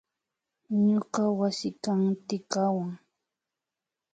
Ñuka wasikan tikawan